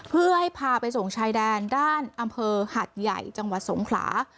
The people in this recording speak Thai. เพื่อให้พาไปส่งชายแดนด้านอำเภอหัดใหญ่จังหวัดสงขลา